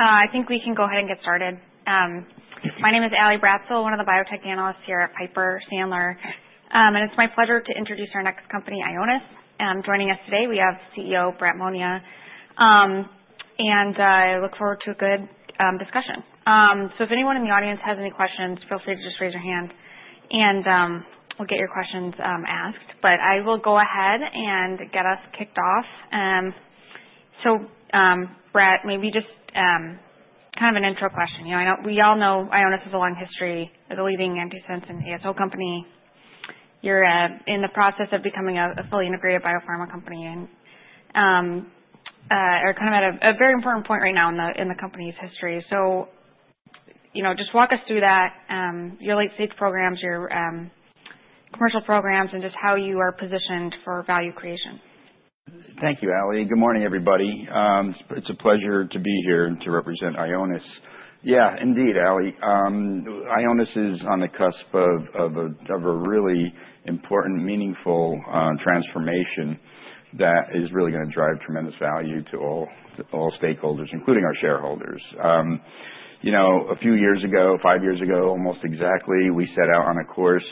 I think we can go ahead and get started. My name is Ali Bratzel, one of the biotech analysts here at Piper Sandler, and it's my pleasure to introduce our next company, Ionis. Joining us today, we have CEO Brett Monia, and I look forward to a good discussion, so if anyone in the audience has any questions, feel free to just raise your hand, and we'll get your questions asked, but I will go ahead and get us kicked off, so Brett, maybe just kind of an intro question. We all know Ionis has a long history as a leading antisense and ASO company. You're in the process of becoming a fully integrated biopharma company and are kind of at a very important point right now in the company's history. So just walk us through that, your late-stage programs, your commercial programs, and just how you are positioned for value creation. Thank you, Ali. Good morning, everybody. It's a pleasure to be here and to represent Ionis. Yeah, indeed, Ali. Ionis is on the cusp of a really important, meaningful transformation that is really going to drive tremendous value to all stakeholders, including our shareholders. A few years ago, five years ago almost exactly, we set out on a course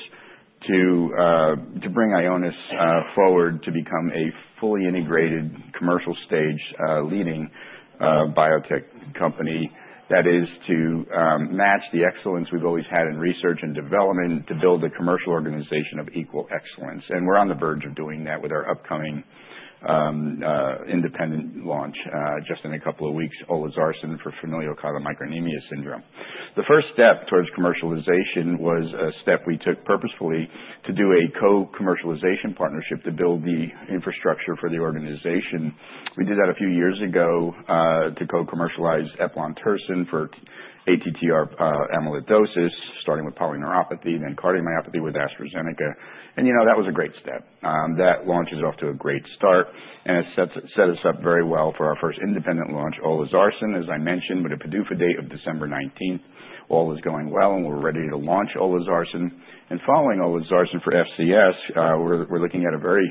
to bring Ionis forward to become a fully integrated commercial stage leading biotech company that is to match the excellence we've always had in research and development to build a commercial organization of equal excellence, and we're on the verge of doing that with our upcoming independent launch just in a couple of weeks, olezarsen for familial chylomicronemia syndrome. The first step towards commercialization was a step we took purposefully to do a co-commercialization partnership to build the infrastructure for the organization. We did that a few years ago to co-commercialize eplontersen for ATTR amyloidosis, starting with polyneuropathy, then cardiomyopathy with AstraZeneca, and that was a great step. That launch is off to a great start, and it set us up very well for our first independent launch, olezarsen, as I mentioned, with a PDUFA date of December 19th. All is going well, and we're ready to launch olezarsen. And following olezarsen for FCS, we're looking at a very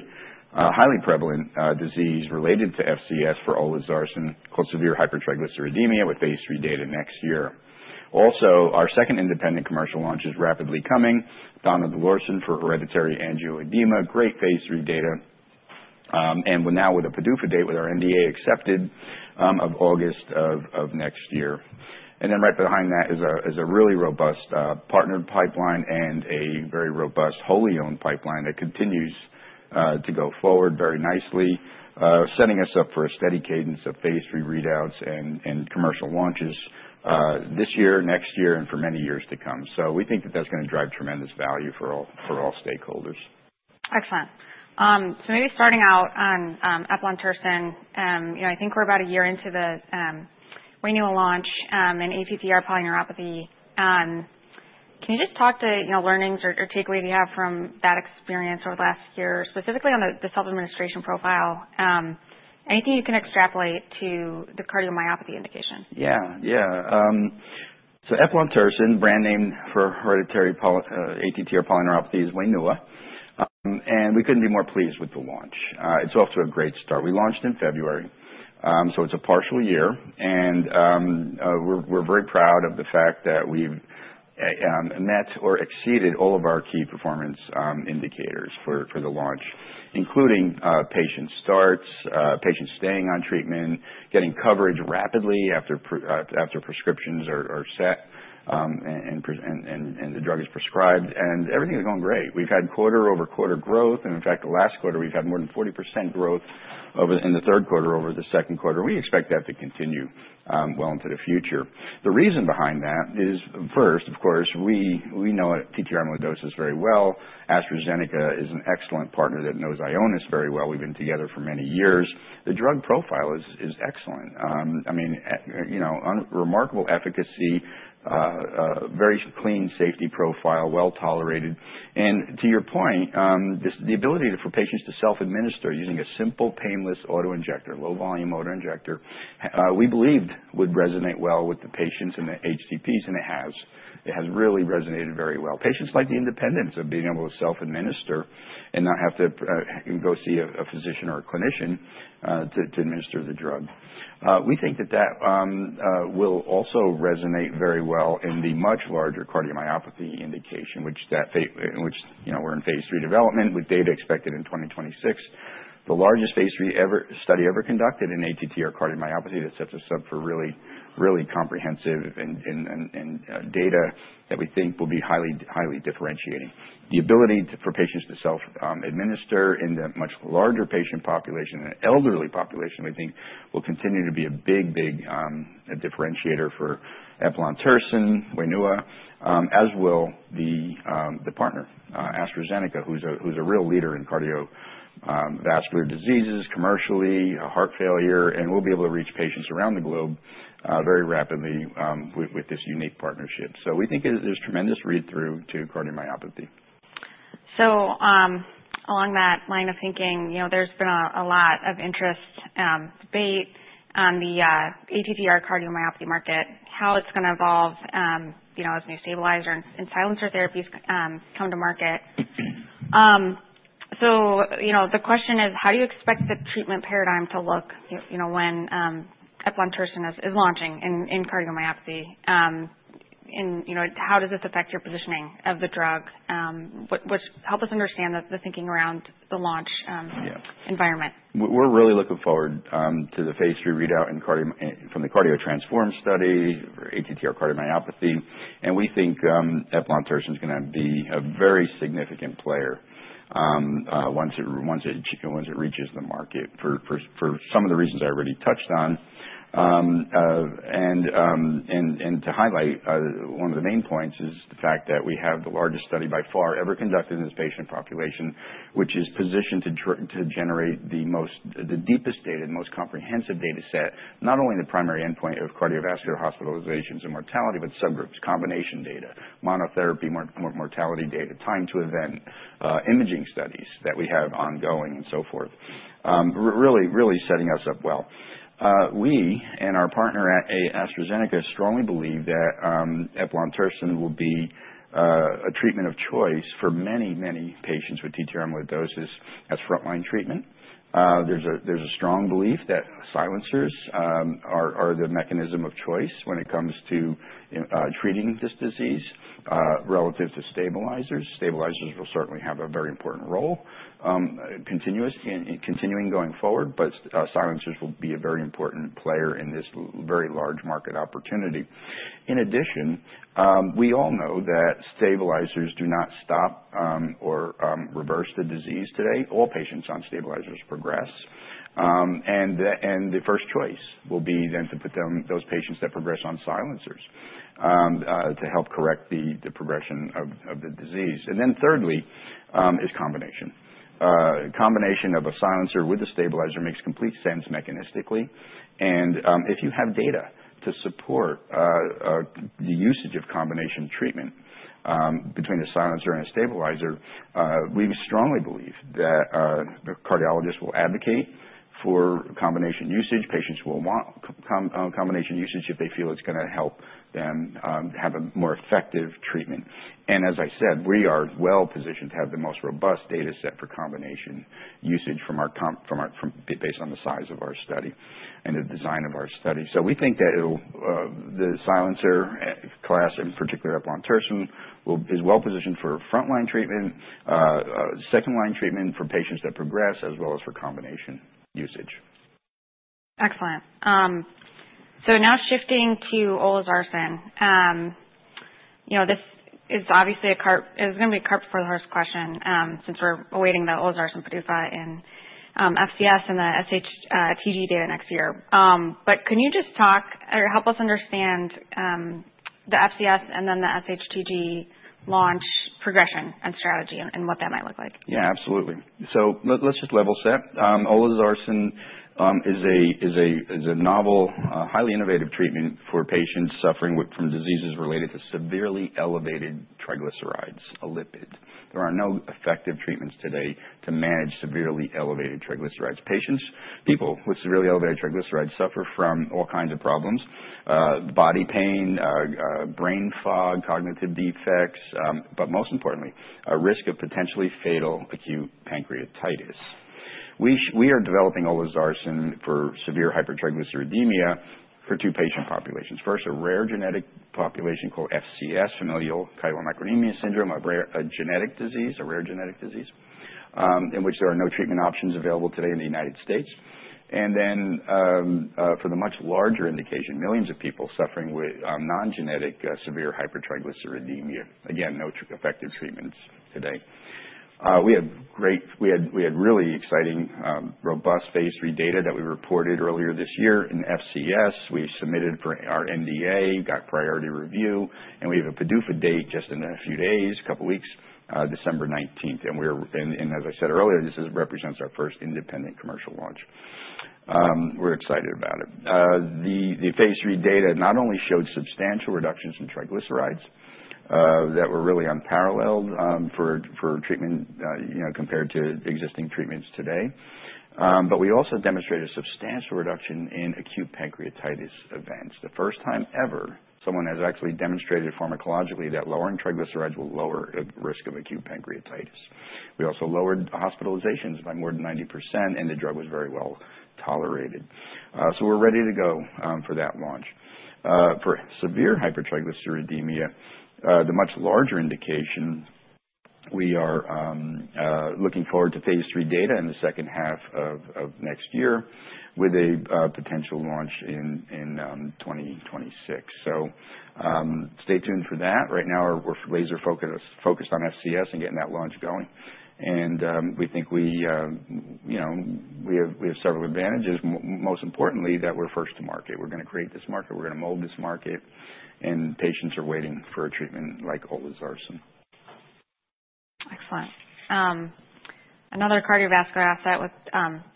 highly prevalent disease related to FCS for olezarsen, called severe hypertriglyceridemia, with phase III data next year. Also, our second independent commercial launch is rapidly coming, donidalorsen for hereditary angioedema, great phase III data, and now with a PDUFA date with our NDA accepted of August of next year. And then right behind that is a really robust partnered pipeline and a very robust wholly owned pipeline that continues to go forward very nicely, setting us up for a steady cadence of phase III readouts and commercial launches this year, next year, and for many years to come. So we think that that's going to drive tremendous value for all stakeholders. Excellent. Maybe starting out on eplontersen, I think we're about a year into the Wainua launch in ATTR polyneuropathy. Can you just talk to learnings or takeaways you have from that experience over the last year, specifically on the self-administration profile? Anything you can extrapolate to the cardiomyopathy indication? Yeah, yeah. So eplontersen, brand name for hereditary ATTR polyneuropathy is Wainua. And we couldn't be more pleased with the launch. It's off to a great start. We launched in February, so it's a partial year. And we're very proud of the fact that we've met or exceeded all of our key performance indicators for the launch, including patient starts, patients staying on treatment, getting coverage rapidly after prescriptions are set and the drug is prescribed. And everything is going great. We've had quarter-over-quarter growth. And in fact, the last quarter, we've had more than 40% growth in the third quarter over the second quarter. We expect that to continue well into the future. The reason behind that is, first, of course, we know TTR amyloidosis very well. AstraZeneca is an excellent partner that knows Ionis very well. We've been together for many years. The drug profile is excellent. I mean, remarkable efficacy, very clean safety profile, well tolerated, and to your point, the ability for patients to self-administer using a simple, painless auto-injector, low-volume auto-injector, we believed would resonate well with the patients and the HCPs, and it has. It has really resonated very well. Patients like the independence of being able to self-administer and not have to go see a physician or a clinician to administer the drug. We think that that will also resonate very well in the much larger cardiomyopathy indication, which we're in phase III development with data expected in 2026. The largest phase III study ever conducted in ATTR cardiomyopathy that sets us up for really, really comprehensive data that we think will be highly differentiating. The ability for patients to self-administer in the much larger patient population and elderly population, we think, will continue to be a big, big differentiator for eplontersen, Wainua, as will the partner, AstraZeneca, who's a real leader in cardiovascular diseases, commercially, heart failure, and we'll be able to reach patients around the globe very rapidly with this unique partnership. So we think there's tremendous read-through to cardiomyopathy. Along that line of thinking, there's been a lot of interest, debate, on the ATTR cardiomyopathy market, how it's going to evolve as new stabilizer and silencer therapies come to market. The question is, how do you expect the treatment paradigm to look when eplontersen is launching in cardiomyopathy? And how does this affect your positioning of the drug? Help us understand the thinking around the launch environment. We're really looking forward to the phase III readout from the CARDIO-TTRansform study for ATTR cardiomyopathy. And we think eplontersen is going to be a very significant player once it reaches the market for some of the reasons I already touched on. And to highlight, one of the main points is the fact that we have the largest study by far ever conducted in this patient population, which is positioned to generate the deepest data and most comprehensive data set, not only the primary endpoint of cardiovascular hospitalizations and mortality, but subgroups, combination data, monotherapy mortality data, time to event, imaging studies that we have ongoing, and so forth. Really, really setting us up well. We and our partner at AstraZeneca strongly believe that eplontersen will be a treatment of choice for many, many patients with TTR amyloidosis as frontline treatment. There's a strong belief that silencers are the mechanism of choice when it comes to treating this disease relative to stabilizers. Stabilizers will certainly have a very important role, continuous and continuing going forward, but silencers will be a very important player in this very large market opportunity. In addition, we all know that stabilizers do not stop or reverse the disease today. All patients on stabilizers progress. And the first choice will be then to put those patients that progress on silencers to help correct the progression of the disease. And then thirdly is combination. Combination of a silencer with a stabilizer makes complete sense mechanistically. And if you have data to support the usage of combination treatment between a silencer and a stabilizer, we strongly believe that cardiologists will advocate for combination usage. Patients will want combination usage if they feel it's going to help them have a more effective treatment, and as I said, we are well positioned to have the most robust data set for combination usage based on the size of our study and the design of our study, so we think that the silencer class, in particular eplontersen, is well positioned for frontline treatment, second line treatment for patients that progress, as well as for combination usage. Excellent. So now shifting to olezarsen. This is obviously a cart, it's going to be a cart before the horse question since we're awaiting the lezarsen PDUFA in FCS and the SHTG data next year. But can you just talk or help us understand the FCS and then the SHTG launch progression and strategy and what that might look like? Yeah, absolutely. So let's just level set. olezarsen is a novel, highly innovative treatment for patients suffering from diseases related to severely elevated triglycerides, a lipid. There are no effective treatments today to manage severely elevated triglycerides. People with severely elevated triglycerides suffer from all kinds of problems: body pain, brain fog, cognitive defects, but most importantly, a risk of potentially fatal acute pancreatitis. We are developing olezarsen for severe hypertriglyceridemia for two patient populations. First, a rare genetic population called FCS, familial chylomicronemia syndrome, a genetic disease, a rare genetic disease in which there are no treatment options available today in the United States. And then for the much larger indication, millions of people suffering with non-genetic severe hypertriglyceridemia. Again, no effective treatments today. We had really exciting, robust phase III data that we reported earlier this year in FCS. We submitted for our NDA, got priority review, and we have a PDUFA date just in a few days, a couple of weeks, December 19th. And as I said earlier, this represents our first independent commercial launch. We're excited about it. The phase III data not only showed substantial reductions in triglycerides that were really unparalleled for treatment compared to existing treatments today, but we also demonstrated a substantial reduction in acute pancreatitis events. The first time ever someone has actually demonstrated pharmacologically that lowering triglycerides will lower the risk of acute pancreatitis. We also lowered hospitalizations by more than 90%, and the drug was very well tolerated. So we're ready to go for that launch. For severe hypertriglyceridemia, the much larger indication, we are looking forward to phase III data in the second half of next year with a potential launch in 2026. So stay tuned for that. Right now, we're laser focused on FCS and getting that launch going. And we think we have several advantages, most importantly that we're first to market. We're going to create this market. We're going to mold this market. And patients are waiting for a treatment like olezarsen. Excellent. Another cardiovascular asset with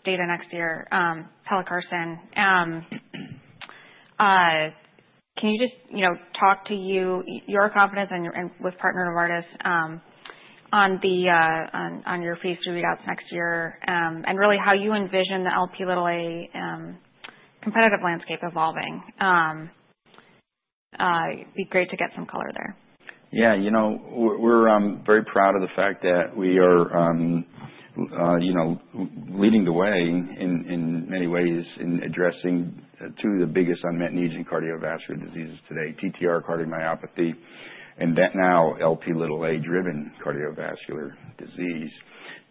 data next year, pelacarsen. Can you just talk to your confidence and with partner Novartis on your phase III readouts next year and really how you envision the Lp(a) competitive landscape evolving? It'd be great to get some color there. Yeah. You know, we're very proud of the fact that we are leading the way in many ways in addressing two of the biggest unmet needs in cardiovascular diseases today: TTR cardiomyopathy and now Lp(a) driven cardiovascular disease.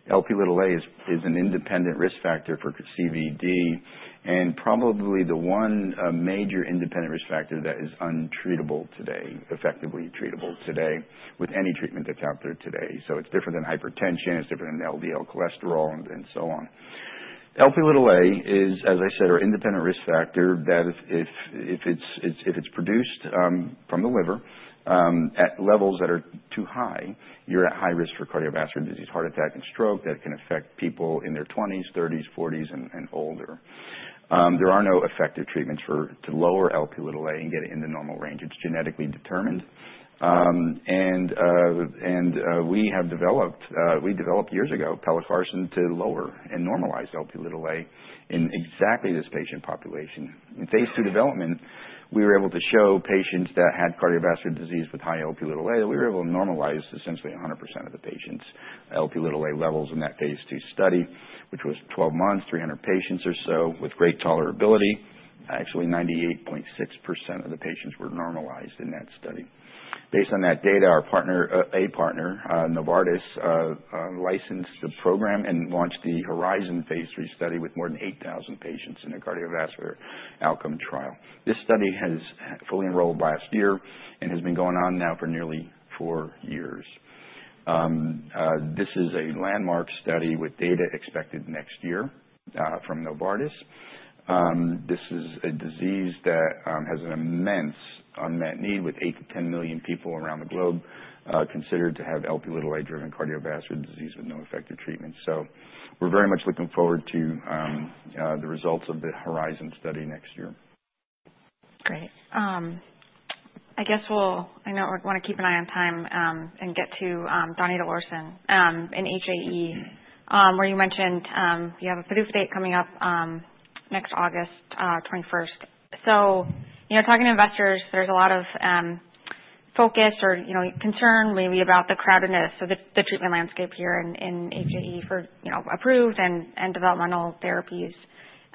Lp(a) is an independent risk factor for CVD and probably the one major independent risk factor that is untreatable today, effectively treatable today with any treatment that's out there today. So it's different than hypertension. It's different than LDL cholesterol and so on. Lp(a) is, as I said, our independent risk factor that if it's produced from the liver at levels that are too high, you're at high risk for cardiovascular disease, heart attack, and stroke that can affect people in their 20s, 30s, 40s, and older. There are no effective treatments to lower Lp(a) and get it in the normal range. It's genetically determined. We developed years ago pelacarsen to lower and normalize Lp(a) in exactly this patient population. In phase II development, we were able to show patients that had cardiovascular disease with high Lp(a). We were able to normalize essentially 100% of the patients' Lp(a) levels in that phase II study, which was 12 months, 300 patients or so with great tolerability. Actually, 98.6% of the patients were normalized in that study. Based on that data, our partner, Novartis, licensed the program and launched the HORIZON phase III study with more than 8,000 patients in a cardiovascular outcome trial. This study has fully enrolled last year and has been going on now for nearly four years. This is a landmark study with data expected next year from Novartis. This is a disease that has an immense unmet need with eight to 10 million people around the globe considered to have Lp(a)-driven cardiovascular disease with no effective treatment. So we're very much looking forward to the results of the HORIZON study next year. Great. I guess I want to keep an eye on time and get to donidalorsen in HAE, where you mentioned you have a PDUFA date coming up next August 21st. So talking to investors, there's a lot of focus or concern maybe about the crowdedness of the treatment landscape here in HAE for approved and developmental therapies.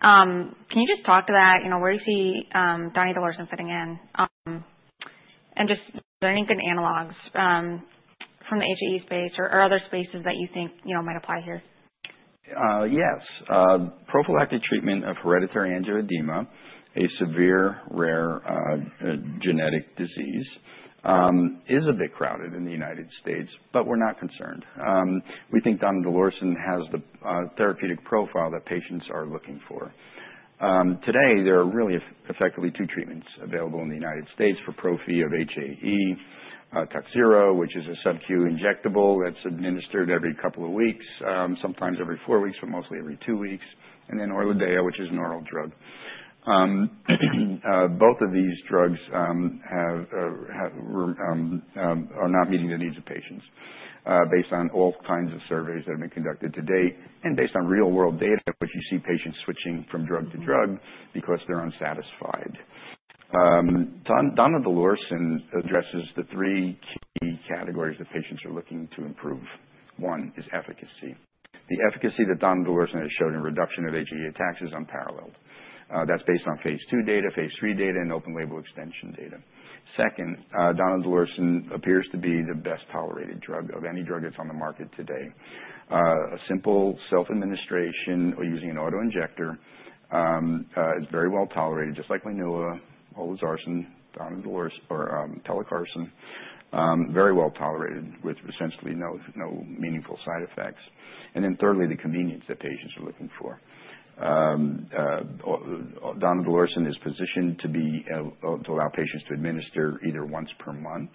Can you just talk to that? Where do you see donidalorsen fitting in? And just any good analogs from the HAE space or other spaces that you think might apply here? Yes. Prophylactic treatment of hereditary angioedema, a severe rare genetic disease, is a bit crowded in the United States, but we're not concerned. We think donidalorsen has the therapeutic profile that patients are looking for. Today, there are really effectively two treatments available in the United States for prophy of HAE, Takhzyro, which is a sub-Q injectable that's administered every couple of weeks, sometimes every four weeks, but mostly every two weeks, and then Orladeyo, which is an oral drug. Both of these drugs are not meeting the needs of patients based on all kinds of surveys that have been conducted to date and based on real-world data, which you see patients switching from drug to drug because they're unsatisfied. Donidalorsen addresses the three key categories that patients are looking to improve. One is efficacy. The efficacy that donidalorsen has showed in reduction of HAE attacks is unparalleled. That's based on phase II data, phase III data, and open label extension data. Second, donidalorsen appears to be the best tolerated drug of any drug that's on the market today. Simple self-administration or using an auto-injector is very well tolerated, just like Wainua, olezarsen, donidalorsen, or pelacarsen, very well tolerated with essentially no meaningful side effects, and then thirdly, the convenience that patients are looking for donidalorsen is positioned to allow patients to administer either once per month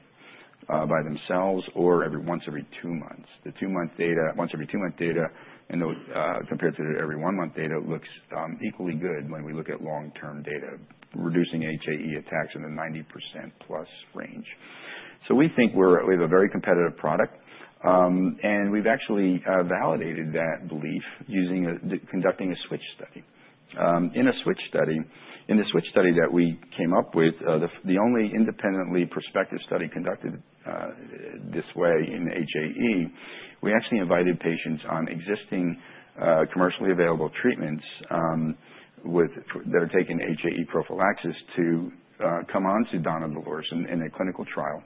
by themselves or once every two months. The two-month data, once every two-month data, and compared to every one-month data, looks equally good when we look at long-term data, reducing HAE attacks in the 90% plus range, so we think we have a very competitive product. And we've actually validated that belief, conducting a switch study. In a switch study, in the switch study that we came up with, the only independently prospective study conducted this way in HAE, we actually invited patients on existing commercially available treatments that are taking HAE prophylaxis to come on to donidalorsen in a clinical trial.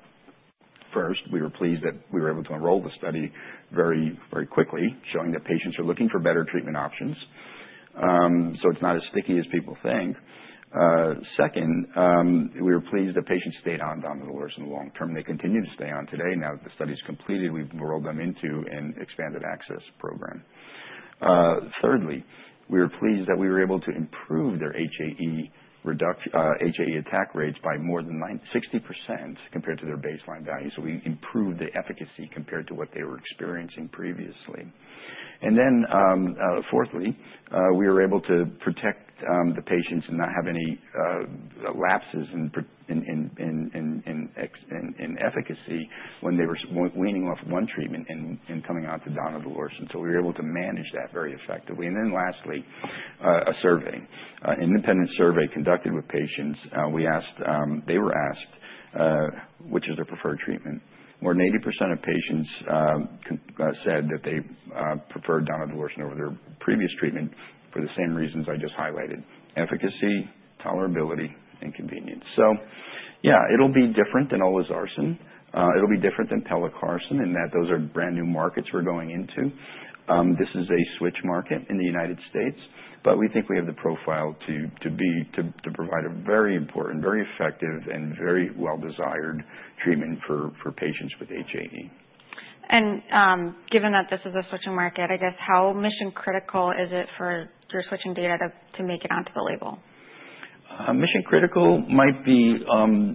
First, we were pleased that we were able to enroll the study very quickly, showing that patients are looking for better treatment options. So it's not as sticky as people think. Second, we were pleased that patients stayed on donidalorsen long term. They continue to stay on today. Now that the study is completed, we've enrolled them into an expanded access program. Thirdly, we were pleased that we were able to improve their HAE attack rates by more than 60% compared to their baseline value. So we improved the efficacy compared to what they were experiencing previously. And then fourthly, we were able to protect the patients and not have any lapses in efficacy when they were weaning off one treatment and coming on to Donidalorsen. So we were able to manage that very effectively. And then lastly, a survey, an independent survey conducted with patients. They were asked, which is their preferred treatment? More than 80% of patients said that they preferred Donidalorsen over their previous treatment for the same reasons I just highlighted: efficacy, tolerability, and convenience. So yeah, it'll be different than olezarsen. It'll be different than pelacarsen in that those are brand new markets we're going into. This is a switch market in the United States, but we think we have the profile to provide a very important, very effective, and very well-desired treatment for patients with HAE. Given that this is a switching market, I guess how mission critical is it for your switching data to make it onto the label? Mission critical might be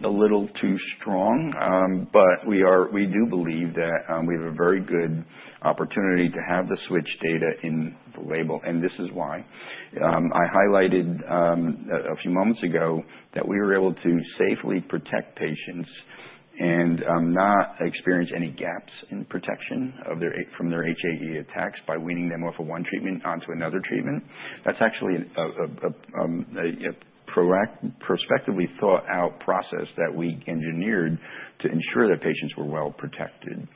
a little too strong, but we do believe that we have a very good opportunity to have the switch data in the label. And this is why I highlighted a few moments ago that we were able to safely protect patients and not experience any gaps in protection from their HAE attacks by weaning them off of one treatment onto another treatment. That's actually a prospectively thought-out process that we engineered to ensure that patients were well protected.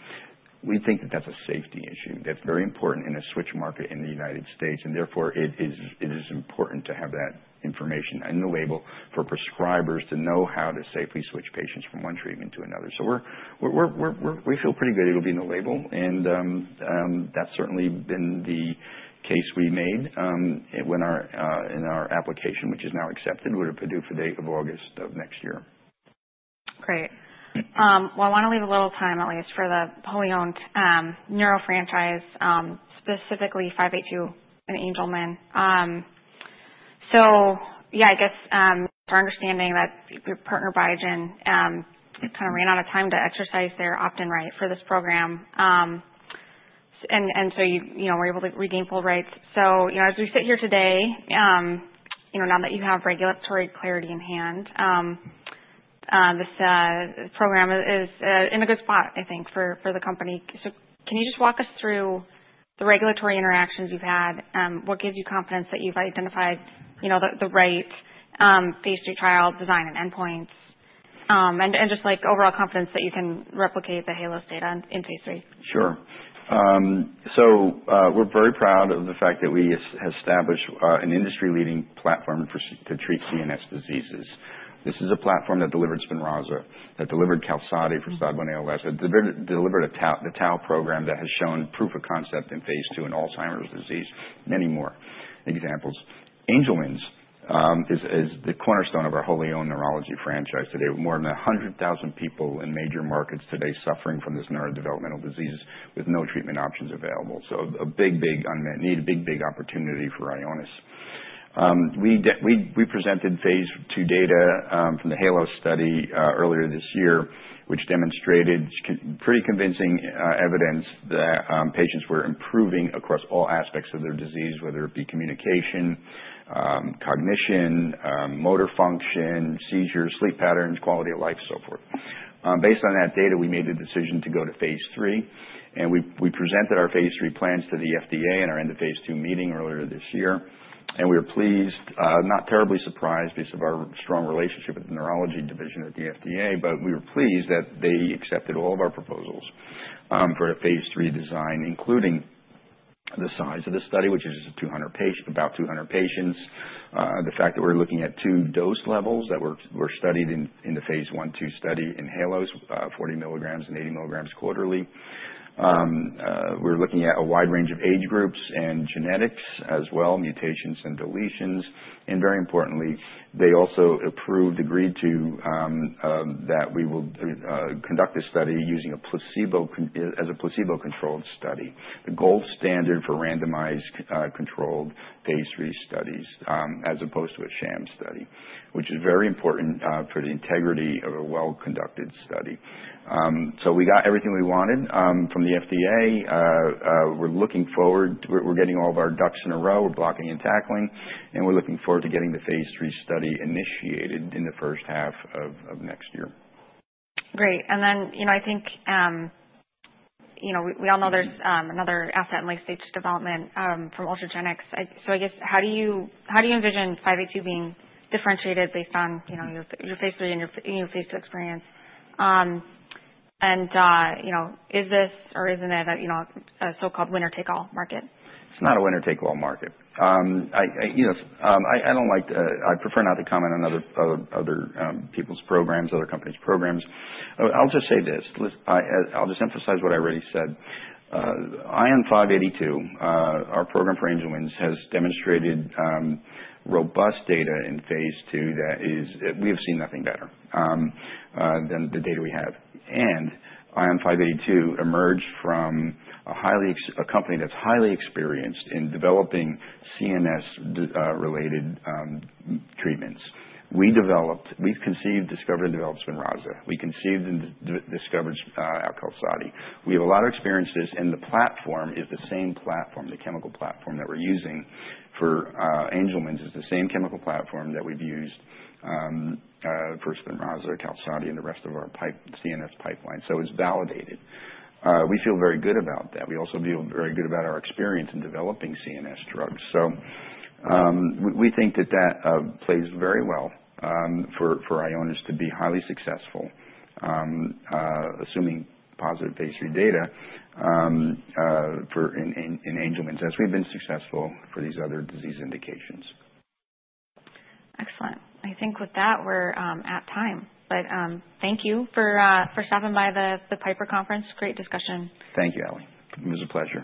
We think that that's a safety issue. That's very important in a switch market in the United States. And therefore, it is important to have that information in the label for prescribers to know how to safely switch patients from one treatment to another. So we feel pretty good it'll be in the label. That's certainly been the case we made in our application, which is now accepted with a PDUFA date of August of next year. Great. Well, I want to leave a little time at least for the wholly owned neuro franchise, specifically 582 and Angelman. So yeah, I guess our understanding that your partner Biogen kind of ran out of time to exercise their opt-in right for this program. And so you were able to redeem full rights. So as we sit here today, now that you have regulatory clarity in hand, this program is in a good spot, I think, for the company. So can you just walk us through the regulatory interactions you've had? What gives you confidence that you've identified the right phase III trial design and endpoints? And just overall confidence that you can replicate the HALOS data in phase III? Sure, so we're very proud of the fact that we have established an industry-leading platform to treat CNS diseases. This is a platform that delivered Spinraza, that delivered Qalsody for SOD1-ALS, that delivered the Tau program that has shown proof of concept in phase II in Alzheimer's disease, many more examples. Angelman's is the cornerstone of our wholly owned neurology franchise today. More than 100,000 people in major markets today suffering from this neurodevelopmental disease with no treatment options available. So a big, big unmet need, a big, big opportunity for Ionis. We presented phase II data from the HALOS study earlier this year, which demonstrated pretty convincing evidence that patients were improving across all aspects of their disease, whether it be communication, cognition, motor function, seizures, sleep patterns, quality of life, and so forth. Based on that data, we made the decision to go to phase III. We presented our phase III plans to the FDA in our end of phase 2 meeting earlier this year. We were pleased, not terribly surprised because of our strong relationship with the neurology division at the FDA, but we were pleased that they accepted all of our proposals for a phase III design, including the size of the study, which is about 200 patients, the fact that we're looking at two dose levels that were studied in the phase 1/2 study in HALOS, 40 milligrams and 80 milligrams quarterly. We're looking at a wide range of age groups and genetics as well, mutations and deletions. Very importantly, they also approved, agreed to that we will conduct this study as a placebo-controlled study, the gold standard for randomized controlled phase III studies, as opposed to a sham study, which is very important for the integrity of a well-conducted study. So we got everything we wanted from the FDA. We're looking forward. We're getting all of our ducks in a row. We're blocking and tackling. We're looking forward to getting the phase III study initiated in the first half of next year. Great. And then I think we all know there's another asset in late-stage development from Ultragenyx. So I guess how do you envision 582 being differentiated based on your phase III and your phase 2 experience? And is this or isn't it a so-called winner-take-all market? It's not a winner-take-all market. I don't like to. I prefer not to comment on other people's programs, other companies' programs. I'll just say this. I'll just emphasize what I already said. ION582, our program for Angelman's, has demonstrated robust data in phase II that we have seen nothing better than the data we have. And ION582 emerged from a company that's highly experienced in developing CNS-related treatments. We've conceived, discovered, and developed Spinraza. We conceived and discovered Qalsody. We have a lot of experience in this. And the platform is the same platform, the chemical platform that we're using for Angelman's. It's the same chemical platform that we've used for Spinraza, Qalsody, and the rest of our CNS pipeline. So it's validated. We feel very good about that. We also feel very good about our experience in developing CNS drugs. We think that that plays very well for Ionis to be highly successful, assuming positive phase III data in Angelman’s, as we’ve been successful for these other disease indications. Excellent. I think with that, we're at time. But thank you for stopping by the Piper Sandler Conference. Great discussion. Thank you, Ali. It was a pleasure.